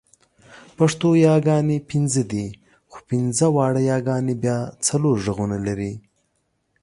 پښتو یاګانې پنځه دي، خو پنځه واړه یاګانې بیا څلور غږونه لري.